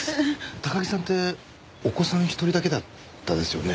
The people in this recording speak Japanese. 高木さんってお子さん１人だけだったですよね？